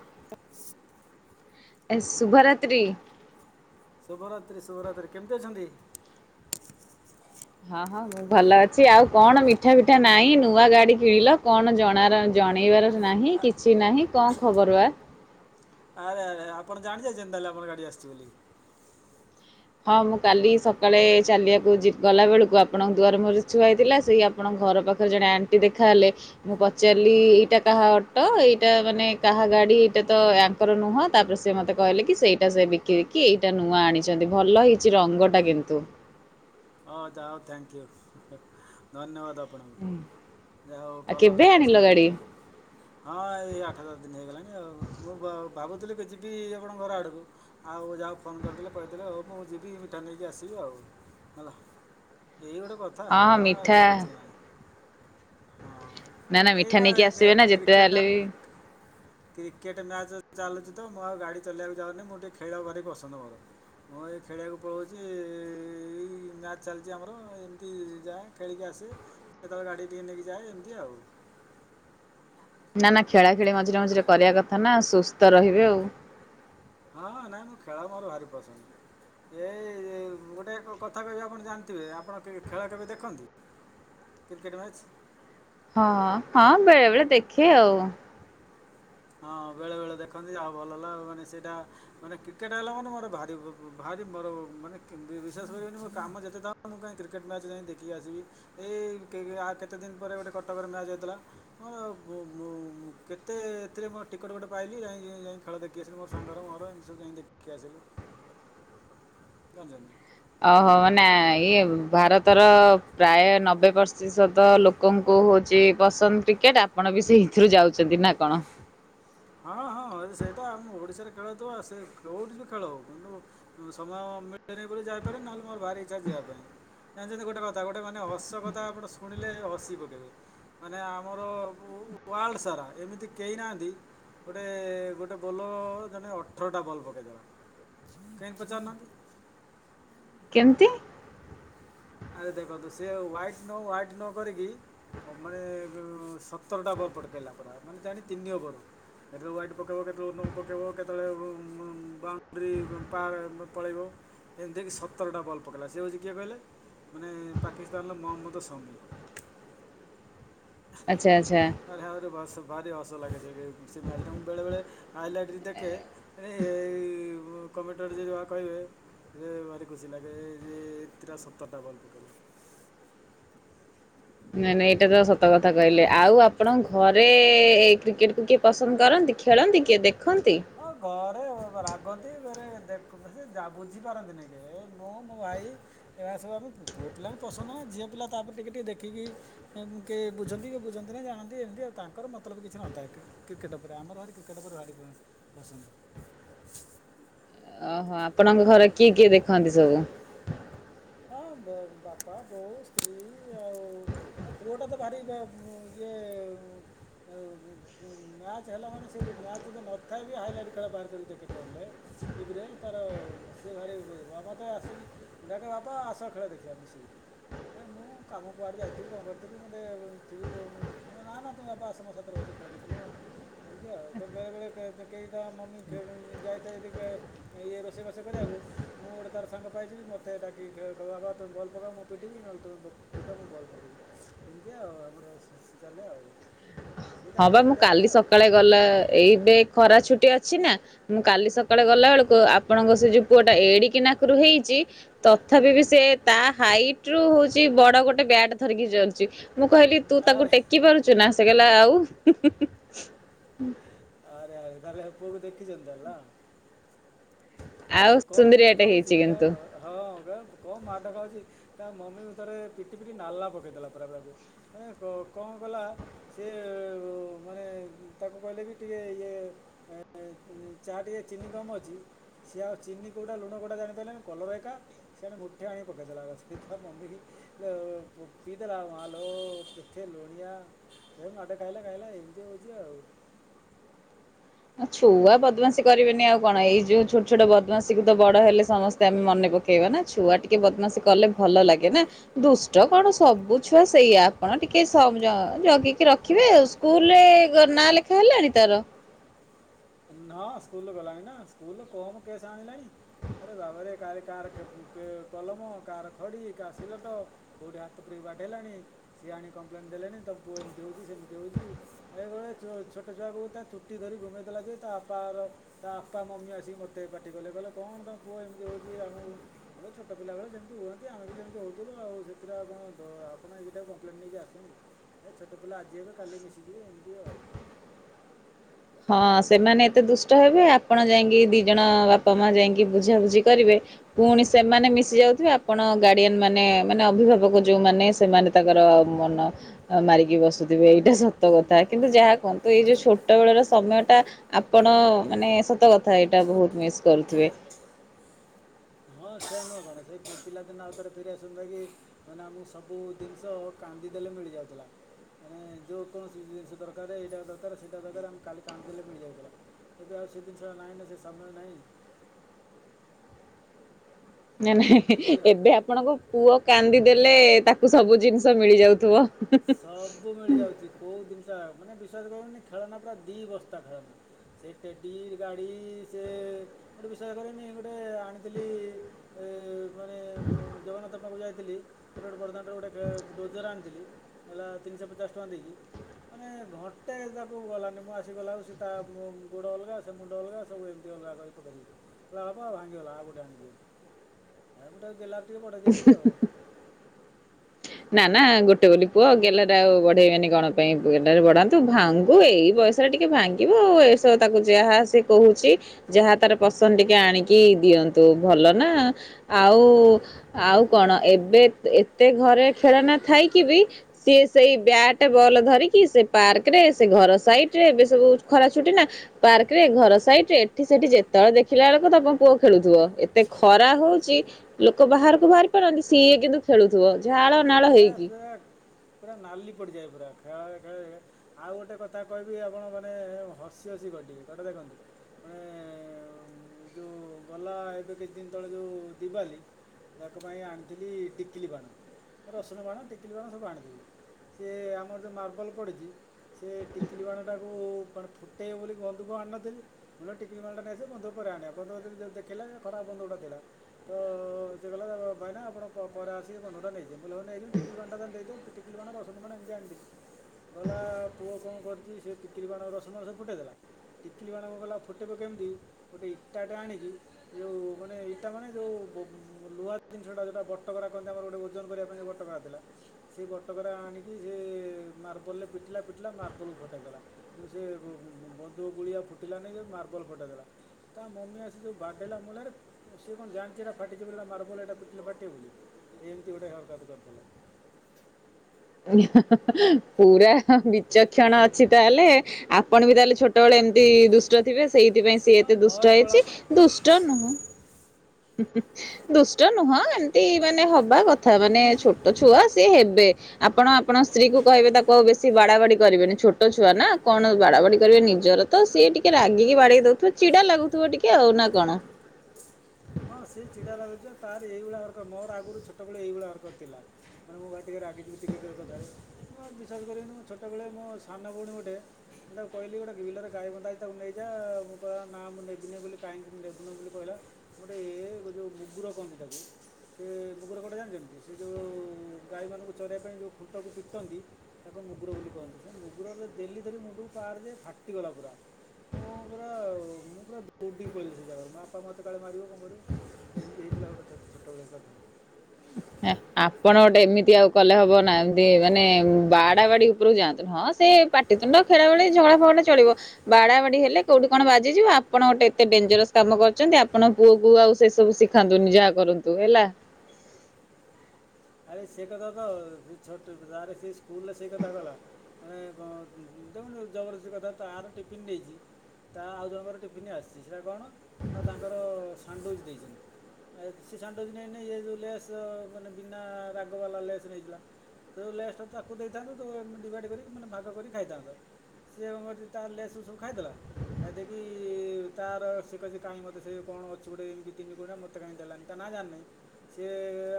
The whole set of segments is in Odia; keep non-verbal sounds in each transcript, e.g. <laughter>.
<inaudible> ଏ ଶୁଭରାତ୍ରୀ। ଶୁଭରାତ୍ରୀ ଶୁଭରାତ୍ରୀ କେମିତି ଅଛନ୍ତି? ହଁ ହଁ ମୁଁ ଭଲ ଅଛି। ଆଉ କଣ ମିଠା ପିଠା ନାହିଁ ନୂଆ ଗାଡି କିଣିଲ କଣ ଜଣ ଜଣେଇବାର ନାହିଁ କିଛି ନାହିଁ କଣ ଖବର ବା। ଆରେ ଆରେ ଆପଣ ଜାଣି ଯାଇଛନ୍ତି ହେଲେ ଆମର ଗାଡି ଆସିଛି ବୋଲି। ହଁ ମୁଁ କାଲି ସକାଳେ ଚାଲିବାକୁ ଗଲା ବେଳକୁ ଆପଣଙ୍କ ଦୁଆର ମୋର ଛୁଆ ହେଇଥିଲା ସେଇ ଆପଣଙ୍କ ଘର ପାଖରେ ଜଣେ ଆଣ୍ଟି ଦେଖାହଲେ ମୁଁ ପଚାରିଲି ଏଇଟା କାହା ଅଟୋ ଏଇଟା ମାନେ କାହା ଗାଡି ଏଇଟା ତ ଆଙ୍କର ନୁହଁ ତାପରେ ସେ ମତେ କହିଲେ କି ସେଇଟା ସେ ବିକିିକି ଏଇଟା ନୂଆ ଆଣିଛନ୍ତି। ଭଲ ହେଇଛି ରଙ୍ଗଟା କିନ୍ତୁ। ହଉ ଯାଅ ଥ୍ୟାଙ୍କ ୟୁ ଧନ୍ୟବାଦ ଆ ଯାହା ହୋଉ ଆଉ କେବେ କଲରଟାକୁ ଆଣିଲ ପସନ୍ଦ ଗାଡି? କରିଥିବାରୁ। ହଁ ଏ ଆଠ ଦଶ ଦିନ ହେଇଗଲାଣି ଆଉ। ମୁଁ ଭାବୁଥିଲି କି ଯିବି ଆପଣ ଘର ଆଡ଼କୁ ଆଉ ଯାହାକୁ ଫୋନ୍ କରିଦେଲେ କହିଥିଲେ ହେଉ ମୁଁ ଯିବି ମିଠା ନେଇକି ଆସିବି ଆଉ। ହେଲା। ଏଇ ଗୋଟେ କଥା ହଁ ଇଏ କିଛିଲାଇ। ନା ନା ହଁ ଏଇ ମିଠା ବା ନେଇକି ଆସିବେ ନା ଯେତେ କ୍ରିକେଟ ହେଲେ ବି କ୍ରିକେଟ ମ୍ୟାଚ ଚାଲୁଛି। ତ ମୁଁ ଆଉ ଗାଡ଼ି ଚଲେଇବାକୁ ଯାଉନି ମୁଁ ଟିକିଏ ଖେଳିବା ଭାରି ପସନ୍ଦ ମୋର ମୁଁ ଏ ଖେଳିବାକୁ ପଳାଉଛି। ଇ ଇ ଇ ମ୍ୟାଚ ଚାଲିଛି ଆମର ଏମିତି ଯାଏ ଖେଳିକି ଆସେ କେତେବେଳେ ଗାଡି ଟିକେ ନେଇକି ଯାଏ ଏମତି ଆଉ। ନା ନା ଖେଳା ଖେଳି ମଝିରେ ମଝିରେ କରିବା କଥା ନାଉ ସୁ ସ୍ଥ ରହିବେ ଆଉ। ହଁ ନାଇଁ ମୁଁ ଖେଳ ମୋର ଭାରି ପସନ୍ଦ ଏଇ ଗୋଟେ କଥା କହିବି ଆପଣ ଜାଣିଥିବେ ଆପଣ ଖେଳ କେବେ ଦେଖନ୍ତି କ୍ରିକେଟ ମ୍ୟାଚ୍ ହଁ ହଁ ବେଳେ ବେଳେ ଦେଖେ ଆଉ। ହଁ ବେଳେ ବେଳେ ଦେଖନ୍ତି ଆଉ ଭଲ ହେଲା ମାନେ ସେଇଟା ମାନେ କ୍ରିକେଟ ହେଲା ମାନେ ମୋର ଭାରି ଭାରି ମୋର ମାନେ ବିଶ୍ୱାସ କରିବନି ମୋ କାମ ଯେତେ ତା ମୁଁ କାହିଁ କ୍ରିକେଟ ମ୍ୟାଚ୍ ଯାଇ ଦେଖିକି ଆସିବି ଏଇ ଆ କେତେ ଦିନ ପରେ ଗୋଟେ କଟକରେ ମ୍ୟାଚ୍ ହେଇଥିଲା। ମୋର କେତେ ଏଥିରେ ମଁ ଟିକେଟ୍ ଗୋଟେ ପାଇଲି ଯାଇ ଯାଇ ଖେଳ ଦେଖି ଆସିଲି ମୋର ସାଙ୍ଗର ମୋର ଏମି ସବୁ ଯାଇ ଦେଖି ଆସିଲୁ ଦଜନୀ ଓହୋ ମାନେ ଇଏ ଭାରତର ପ୍ରାୟ ନବେ ପ୍ରତିଶତ ଲୋକଙ୍କୁ ହଉଛି ପସନ୍ଦ କ୍ରିକେଟ ଆପଣ ବି ସେଇଥିରୁ ଯାଉଛନ୍ତି ନା କଣ? ଖେଳଥ ଆ ସେ କୋଉଠି ତ ଖେଳ ହଉ କିନ୍ତୁ ସମୟ ଯାଇାରାରେ ନହେଲେ ମୋର ଭାରି ଇଚ୍ଛା ଯିବା ପାଇଁ ଜାଣିଛନ୍ତି ଗୋଟେ କଥା ଗୋ ମାନେ ହସ କଥା ଆପଣ ଶୁଣି ଲେ ହସି ପକେଇବେ ମାନେ ଆମର ୱାର୍ଲଡ ସାରା ଏମିତି କେହି ନାହାନ୍ତି ଗୋଟେ ଗୋଟେ ବୋଲର ଜଣେ ଅଠରଟା ବଲ ପକେଇଦବା କାହିଁକି ପଚାରୁନାହାନ୍ତି। ଏମିତି ଆରେ ଦେଖନ୍ତୁ ସେ ହ୍ୟାଇଟ ନ ହ୍ୟାଇଟ ନ କରିକି ମାନେ ସତର ଟାର ପଟକେଇଲା। ପୁରା ମାନେ ଜାଣଣି ତିନି ଓବର କେତେବେଳେ ହାଇଟ୍ ପକେଇବ କେତେବେଳେ ନ ପକେଇବ କେତେବେଳେ ବ୍ରା ରି ରୁମ୍ପା ପଳେଇବ ଏମିତିକି ସତରଟା ବଲ୍ପ କଲା ସିଏ ହେଉଛି କିଏ କହିଲେ? ମାନେ ପାକିସ୍ତାନର ମହମ୍ମଦ ସମୀ ଆଚ୍ଛା ଆଚ୍ଛା। ଆରେ ଆ ଭାରି ହସ ଲାଗେ ସେ ସେ ମଚ ମୁ ବେଳେ ବେଳେ ହାଇଲାଇଟ ରେ ଦେଖେ <inaudible> କମ୍ୟୁଟରେ ଯଦ କହିବେ ଭାରି ଖୁସି ଲାଗେ ଯେ ଏଟା ସତରଟା ବଲ୍ ପକେଇଲା ନାଇଁ ନାଇଁ ଏଇଟା ତ ସତ କଥା କହିଲେ ଆଉ ଆପଣ ଘରେ ଏଇ କ୍ରିକେଟ କୁ କିଏ ପସନ୍ଦ କରନ୍ତି ଖେଳନ୍ତି କିଏ ଦେଖ ହଁ ଘରେ ରାଗନ୍ତି ଘରେ ଦେଖନ୍ତୁ ସୋ ବୁଝିପାରନ୍ତିନି କି ମୁଁ ମୋ ଭାଇ ଏ ସବୁ ଆମେ ପୁଅ ପିଲାଙ୍କୁ ପସନ୍ଦ ନା ଝିଅ ପିଲା ତାପରେ ଟିକେ ଟିକେ ଦେଖିକି କିଏ ବୁଝନ୍ତି କି ବୁଝନ୍ତି ନା ଜାଣନ୍ତି ଏମିତି ଆଉ ତାଙ୍କର ମତଲବ କିଛି ନଥାଏ କ୍ରିକେଟ ଉପରେ ଆମର ଭାର କ୍ରିକେଟ ଉପରେ ବାଡ଼ି ପନ୍ତି ପସନ୍ଦ ଓହୋ ଆପଣଙ୍କ ଘରେ କିଏ କିଏ ଦେଖନ୍ତି ସବୁ ହଁ ବାପା ବୋଉ ସ୍ତ୍ରୀ ଆଉ ମୋ ପୁଅଟା ତ ଭାରି ଇଏ ମ୍ୟାଚ ହେଲା ମାନେ ସେ ମ୍ୟାଚ୍ ଏବେ ନଥାଏ ବି ହାଇଲାଇଟ୍ ଖେଳ ବାହାର କରିକି ଦେଖେ ପଡ଼ିଲେ ଏପରେ ତାର ସେିଏ ଭାରିହିବ ମତେ ଆସିକି ଡାକ ବା ବାପା ଆସ ଖେଳ ଦେଖିବା ମିଶିକି ଏ ମୁଁ କାମ କୁଆଡ଼େ ଯାଇଥିବି କଣ କରିଥିବି ମୋତେ ଥିବି ନା ନା ତୁ ବାପା ଆସ ମୋ ସାଥିରେ ବସି ଖେଳ ଦେଖିବ ଏମିତି ଆଉ ତ ବେଳେବେଳେ କେହି ତା ମମି ଯାଇଥାଏ ଯି ଇଏ ରୋଷେଇ ରୋଷେଇ କରିବାକୁ ମୁଁ ଗୋଟେ ତାର ସାଙ୍ଗ ପାଇଯିବି ମୋତେ ଟିକ କହ ତମେ ବଲ୍ ପକ ମୁଁ ପିଟିବି ନହେଲେ ତମେ ପିଟ ମୁଁ ବଲ ପକେଇବି ଏମିତି ଆଉ ଆମର ଚାଲେ ଆଉ। ସେଇ ହଁ ବା ଦାଣ୍ଡରେ ମୁଁ ଖେଳିବା କଥା କାଲି ଆଉ ସକାଳେ ଗଲା ଏଇବେ ଖରା ଛୁଟି ଅଛି। ଛି ନା। କାଲି ସକାଳେ ହୁଁ। ଗଲାବେଳକୁ ଆପଣଙ୍କ ସେ ଯେଉଁ। ଗୁଟା ଏଡିକି ନାକରୁ ହେଇଛି ତଥାପି ବି ସେ ତା ହାଇଟ ରୁ ହଉଛି ବଡ ଗୋଟେ ବ୍ୟାଟ ଧରିକି ଚଲିଛି। ମୁଁ କହିଲି ତୁ ତାକୁ ଆରେ ଟେକି ପାରୁଛୁ ନା ସେ କଲା ଆଉ। ହଁ। ଆରେ ଆରେ ତାହେଲେ ପୁଅକୁ ଦେଖିଛନ୍ତି ହେଲା। ଆ ଆଉ ସେ କଣ ସୁନ୍ଦରିଆଟେ ଦୁଷ୍ଟ ହେଇଛି ହଉଛି ଆ କିନ୍ତୁ। ହଁ। କଣ ମାଠ ଖାଉଛି ତା ମମି ଥରେ ପିଟି ପିଟି ନାଲଲା ପକେଇଦେଲା ପରାପରାକୁ କଣ କଲା ସେ ମାନେ ତାକୁ କହିଲେ ବି ଟିକେ ଇଏ ଚାହା ଟିକେ ଚିନି କମ୍ ଅଛି। ସିଏ ଆଉ ଚିନି କୋଉଟା ଲୁଣ କୋଉଟା ଜାଣିଦେଲେ କଲର ଏକା ସେଣେ ଗୋଠେ ଆଣି ପକେଇଦେଲା ମମି ପିଇଦେଲାଲୋେ ଲୁଣିଆଟେ ଖାଇଲା ଖାଇଲା ଏମତି ହଉଛି ଆଉ। ଛୁଆ ବଦମାସି କରିବେନି ଆଉ କଣ ଏଇ ଯୋଉ ଛୋଟ ଛୋଟ ବଦମାସୀ କୁ ତ ବଡ ହେଲେ ସମସ୍ତେ ଆମେ ମନେ ପକେଇବା ନା ଛୁଆ ଟିକେ ବଦମାସି କଲେ ଭଲ ଲାଗେ ନା ଦୁଷ୍ଟ କଣ ସବୁ ଛୁଆ ସେଇଆ ଆପଣ ଟିକେ ଜଗିକି ରଖିବେ ଆଉ ସ୍କୁଲରେ ନାଁ ଲେଖା ହେଲାଣି ତାର। ନାଁ ସ୍କୁଲ ଗଲାଣି ନା ସ୍କୁଲ କମ୍ କେସ୍ ଆଣିଲାଣି ଆରେ ବାବାରେ କା କାହାର କଲମ କାହାର ଖଡ଼ି କାହା ସିଲଟ କେଉଁଠି ହାତ ଫିକ ବା଼େଇଲାଣି ସିଏ ଆଣି କମ୍ପ୍ଲେନ୍ ଦେଲେଣି ତମ ପୁଅ ଏମିତି ହେଉଛି ସେମିତି ହେଉଛି ଏ ଛୋଟ ଛୁଆକୁ ତା ଚୁଟି ଧରି ଗୁମେଇଥିଲା ଯେ ତା ବାପାାର ତାପା ମମି ଆସିକି ମୋତେ ପାର୍ଟି କଲେ କହିଲେ କଣ ତାଙ୍କ ପୁଅ ଏମିତି ହେଉଛି ଆମ ଛୋଟ ପିଲାବେଳେ ଯେମିତି ହୁଅନ୍ତି ଆମେ ବି ଯେମିତି ହେଉଥଥିଲୁ ଆଉ ସେଥିରେ ଆଉ କଣ ଆପଣ ଏଇକିଟାକୁ କମ୍ପ୍ଲେନ୍ ନେଇକି ଆସନ୍ତି ଏ ଛୋଟ ପିଲା ଆଜି ହେବେ କାଲି ମିଶିଯିବେ ଏମିତି ଆଉ। ହଁ ସେମାନେ ଏତେ ଦୁଷ୍ଟ ହେବେ ଆପଣ ଯାଇକି ଦି ଜଣ ବାପା ମା ଯାଇକି ବୁଝାାବୁଝି କରିବେ ପୁଣି ସେମାନେ ମିଶି ଯାଉଥିବେ ଆପଣ ଗାର୍ଡିଆନ ମାନେ ମାନେ ଅଭିଭାବକ ଯୋଉମାନୋନ ସେମାନେ ତାଙ୍କର ମନ ମାରିକି ବସୁଥିବେ ଏଇଟା ସତ। କଥା କିନ୍ତୁ ଯାହା କୁହୁ ଏଇ ହଁ ଯୋଉ ଠିକ୍ ଛୋଟ ବେଳର ଆପଣ ମାନେ ସତ କଥା ଏଇଟା ବହୁତ ମିସ୍ କରୁଥିବେ। ହଁ ସେ ନୁହେଁ କଣ ସେ ପହଞ୍ଚିଲା ଦିନ ଆଉ ଥରେ ଫେରି ଆସନ୍ତା କି ମାନେ ଆମକୁ ସବୁ ଜିନିଷ କାନ୍ଦିଦେଲେ ମିଳିଯାଉଥିଲା ମାନେ ଯେଉକୌଣସି ଜିନିଷ ଦରକାର ଏଇଟା ଦରକାର ସେଇଟା ଦରକାର ଆମକୁ କାଲି କାନ୍ଦିଦେଲେ ମିଳିଯାଉଥିଲା ଏବେ ଆଉ ସେ ଜିନିଷ ନାହିଁ ନା ସେ ସମୟ ନାହିଁ, ନାଇ ନାଇଁ ଏମିତି ଆଉ ଏବେ ଆପଣଙ୍କ ପୁଅ କାନ୍ଦିଦେଲେ ତାକୁ ସବୁ ଜିନିଷ ମିଳି ଯାଉଥିବ। ସବୁ ମିଳିଯାଉଛି କୋଉ ଜିନିଷ ମାନେ ବିଶ୍ୱାସ କରନି ଖେଳନା ପା ଦୁଇ ବସ୍ତା ଖେଳନା ସେ ଟେଡ଼ି ଗାଡ଼ି ସେ ଗୋଟେ ବିଶ୍ୱାସ କନି ଗୋଟେ ଆଣିଥିଲି ଏ ମାନେ ଜଗନ୍ନାଥ ପାଖକୁ ଯାଇ ଥିଲ ରେଟ ବର୍ଦ୍ଧାନ ଗୋଟେ ଡୋଜର ଆଣିଥିଲି। ହେଲା ତିନିଶହ ପଚାଶ ଟଙ୍କା ଦେଇକି ମାନେ ଘଣ୍ଟେ ତାକୁ ଗଲାନି ମୁଁ ଆସିଗଲା ଆଉ ସେ ତା ଗୋଡ଼ ଅଲଗା ସେ ମୁଣ୍ଡ ଅଲଗା ସବୁ ଏମିତି ଅଲଗା କରି ପକେଇ ଦେଇଛି। ହେବ ଆଉ ଭାଙ୍ଗିଗଲା ଆଉ ଗୋଟେ ଆଣିିକି ଦିଅ। ଆଉଟ ଦେଲା ଟିକେ ପଢେଇ ଦେଇଛି ଆଉ। ନା ନା ଗୋଟେ ବୋଲି ପୁଅ ଗେଲା ଆଉ ବଢେଇବେନି କଣ ପାଇଁ ଗେଲରେ ବଢାନ୍ତୁ ଭାଙ୍ଗୁ ଏଇ ବୟସରେ ଟିକେ ଭାଙ୍ଗିବ ଆ ଏସବୁ ତାକୁ ଯାହା ସେ କହୁଛି ଯାହା ତାର ପସନ୍ଦ ଟିକେ ଆଣିକି ଦିଅନ୍ତୁ ଭଲ ନା ଆଉ ଆଉ କଣ ଏବେ ଏତେ ଘରେ ଖେଳନା ଥାଇକି ବି ସିଏ ସେଇ ବ୍ୟାଟ ବଲ ଧରିକି ସେ ପାର୍କ ରେ ସେ ଘର ସାଇଡ ରେ ଏବେ ସବୁ ଖରା ଛୁଟି ନା ପାର୍କ ରେ ଘର ସାଇଡ ରେ ଏଠି ସେଠି ଯେତେବେଳେ ଦେଖିଲା ବେଳକୁ ତମ ପୁଅ ଖେଳୁଥିବ। ଏତେ ଖରା ହଉଛି ଲ୍ କ ବାହାର ବାହାରି ପାରନ୍ତି ସିଏ କିନ୍ତୁ ଖେୁଥିବ ଝାଳ ନାଳ ଏ ହେଇ କି। ପୁରା ପୁରା ନାଲି ପଡ଼ିଯାଏ ପୁରା ଖେଳ ଖେଳ ଆଉ ଗୋଟେ କଥା କହିବି ଆପଣ ମାନେ ହସି ହସି ଗଡିବେ ଗଟେ ଦେଖନ୍ତୁ ମାନେ ଯୁ ଗଲା ଏବେ କିଛି ଦିନ ତଳେ ଯୋଉ ଦିିବାଲି ତାଙ୍କ ପାଇଁ ଆଣିଥିଲି ଟିକିଲିବାଣ ରସୁଣ ବାଣ ଟିକିଲି ବାଣ ସବୁ ଆଣିଥିବି ସିଏ ଆମର ଯେଉଁ ମାର୍ବଲ ପଡ଼ିଛି ସେଏ ଟିକିଲି ବାଣଟାକୁ ମାନେ ଫୁଟାଇବ ବୋଲି ବନ୍ଧୁକ ଆଣିନଥିଲି ନ ଟିକିଲି ବାଣଟା ନେଇ ସେ ବନ୍ଧୁକ ପରେ ଆଣିବା ବନ୍ଧୁକ ଯେଉଁ ଦେଖିଲେ ଖରାପ ବନ୍ଧୁ ଗୁଡ଼ା ଥିଲା ତ ସେ କହିଲା ଲ ଭାଇନା ଆପଣ ପରେ ଆସିକି ବନ୍ଧୁଟା ନେଇ ଯେବ ନେଇଯିବୁ ଟିକିଲି ବାଣଟା ଦେଇଦଉ ଟିକିଲି ବାଣ ରସୁନମାଣ ଏମିତି ଆଣିଛି ଗଲା ପୁଅ କ ଣ କରୁଛି ସେ ଟିକିଲପଣ ରସୁନାମାଣ ସ ଫୁଟାଇ ଦେଲା ଟିକିଲିାଣ କ ଗଲା ଫୁଟେଇବ କେମିତି ଗୋଟେ ଇଟାଟେ ଆଣିକି ଯେଉଁ ମାନେ ଇଟା ମାନେ ଯଉ ଲୁହା ଜିନିଷଟା ଯେଉଟା ବଟକରା କନ୍ତି ଆମର ଗୋଟେ ଓଜନ କରିବା ପାଇଁ ବଟକରା ଥିଲା ସେ ବଟକରା ଆଣିକି ସେ ମାର୍ବଲରେ ପିଟିଲା ପିଟିଲା ମାର୍ବଲକୁ ଫଟେଇଦେଲା। କୀନ୍ତୁ ସେ ବନ୍ଧୁକ ଗୁଳି ଆଉ ଫୁଟିଲାନହିଁ ଯେଁ ମାର୍ବଲ ଫେଟେଇଦେଲା ତା ମମି ଆସି କି ବାଡେଇଲା ମୁ କାହିଲି ଆରେ ସିଏ କଣ ଜାଣିଛି ଫାଟିଛି ବୋଲିଟା ମାର୍ବଲ ଏଇଟା ପିଟିଲେ ଫାଟିବେ ଏ ଏମିତି ଗୋଟେ ହରକତ କରିଥିଲେ। ପୁରା ବିଚକ୍ଷଣ ଅଛି ତାହେଲେ ଆପଣ ବି ତାହେଲେ ଛୋଟବେଳେ ଏମିତି ଦୁଷ୍ଟ ଥିବେ ସେଇଥିପାଇଁ ସିଏ ହଁ ଏତେ ଦୁଷ୍ଟ ମୋରି ହେଇଛି କଳା ତ ଦୁଷ୍ଟ ନୁହଁ। ଦୁଷ୍ଟ ନୁହଁ ଏମିତି ମାନେ ହବା କଥା ମାନେ ଛୋଟ ଛୁଆ ସି ହେବେ ଆପଣ ଆପଣ ସ୍ତ୍ରୀ କୁ କହିବେ ତାକୁ ଆଉ ବେଶୀ ବାଡବାଡି କରିବେନି ଛୋଟ ଛୁଆ ନା କଣ ବାଡବାଡି କରିବେ ନିଜର ତ ସିଏ ଟିକେ ରାଗିକି ବାଡେଇ ଦଉଥିବ ଚଛିଡା ଲାଗୁଥିବ ଟିକେ ଆଉ ନା କଣ? ହଁ ସେ ଚିଡ଼ା ଲାଗୁଛି ତାର ଏଇଭଳିଆ ହରକତ ମୋର ଆଗରୁ ଛୋଟବେଳେ ଏଇଭଳିଆ ହରକତ ଥିଲା ମାନେ ମୁଁ ବା ଟିକିେ ରାଗିଯିବି ଟିକେ ଟିକେ କଥାରେ ବିଶେଷ କରିନି ମୁଁ ଛୋଟବେଳେ ମୋ ସାନ ଭଉଣୀ ଗୋଟେ ମୁ ତାକୁ କହିଲି ଗୋଟେ ବିଲରେ ଗାଈ ବନ୍ଧା ହେ ତାକୁ ନେଇଯା ମୁଁ କହିଲ ନା ମୁଁ ନେବିନି ବୋଲି କାହିଁକି ମୁଁ ନେବିନି ବୋଲି କହିଲା। ଗୋଟେ ଯେଉଁ ମୁଗର କହନ୍ତି ତାକୁ ସେ ମୁଗର କୋଟେ ଜାଣିଛନ୍ତି ସେ ଯେଉଁ ଗାଈମାନଙ୍କୁ ଚରିବା ପାଇଁ ଯେଉଁ ଖୁଣ୍ଟକୁ ପିଟନ୍ତି ତାକୁ ମୁଗର ବୋଲି କହନ୍ତି ସେ ମୁଗୁରରେ ଡେଲି ଧରି ମୁଣ୍ଡକୁ ପାରେ ଯେ ଫାଟିଗଲା ପୁରା ମୁଁ ପୁରା ମୁଁ ପୁରା ଦୌଡ଼ିକି ପଳେଇଲି ସେ ଜାଗାରୁ ମୋ ବାପା ମୋତେ ସକାଳେ ମାରିବ କଣ କରିବ ଏମିତି ହେଇଥିଲା ଗୋଟେ ଛୋଟବେଳିଆ କଥା ହେ ଆପଣ ଗୋଟେ ଏମିତି ଆଉ କଲେ ହବ ନା ଏମତି ମାନେ ବାଡାବାଡି ଉପରକୁ ଯାଆନ୍ତୁ ନି ହଁ ସେ ପାଟିତୁଣ୍ଡ ଖେଳା ବେଳି ଝଗଡା ଫଗଡା ଚଳିବ ବାଡା ବାଡି ହେଲେ କୋଉଠି କଣ ବାଜିଯିବ ଆପଣ ଗୋଟେ ଏତେ ଡେଞ୍ଜରସ କାମ କରଛନ୍ତି ଆପଣ ପୁଅ କ ଆଉ ସେ ସବୁ ଶିଖାନ୍ତୁ ନି ଯାହା କରନ୍ତୁ ହେଲା। ଆ ସେ କଥା ତ ସେ ଛୋଟ ପିଲା ସେ ସ୍କୁଲରେ ସେ କଥା ଗଲା ଆମେ କଣ ଦେଖୁୁ ଜବରଦସ୍ତି କଥା ତର ଟିଫିନ୍ ନେଇଛି ତା ଆଉ ଜଣଙ୍କର ଟିଫିନ ଆସିଛି ସେଇଟା କଣ ନା ତାଙ୍କର ସାଣ୍ଡିଚ୍ ଦେଇଛନ୍ତି ସେ ସାଣ୍ଡଇଚ୍ ନେଇନି ଏ ଯେଉ ଲେସ୍ ଅ ମାନେ ନା ରାଗବାଲା ଲେସ୍ ନେଇଥିଲା ସେ ଲେସ୍ଟା ତାକୁ ଦେଇଥାନ୍ତୁ ତ ଡିଭାଇଡ଼୍ କରିକି ମାନେ ଭାଗ କରିିକ ଖାଇଥାନ୍ତ ସିଏ କଣ କରିଛି ତାାର ଲେସ୍ ସବୁ ଖାଇଦଲା ଖାଇଦେଇକି ତାର ସେଏ କହିଛି କାହିଁ ମୋତେ ସେ କଣ ଅଛି ଗୋଟେ ଏମିତି ତିନି କୋଣିଇ ମୋତେ କାହିଁ ଦେଲାନି ତା ନା ଜାଣିନହିଁ ସିଏ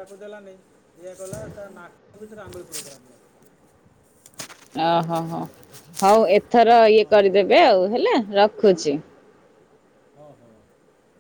ଆକୁ ଦେଲ ନାହିଁ। ଇୟଆ ଗଲା ତା ନାକ ଭିତରେ ଆଙ୍ଗୁଳି ପୁରେଇଦେଦେଲ ଓହୋ ହୋ ହଉ ଏଥର ତ ଇଏ ହଁ କରିଦେବେ ଆଉ ହେଲା। ରଖୁଛି। ହଁ ହଁ <inaudible>